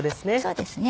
そうですね。